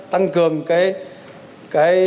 tăng cường cái